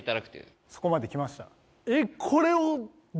そこまできました。